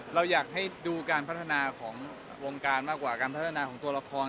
เราอยากให้ดูการพัฒนาของวงการมากกว่าการพัฒนาของตัวละคร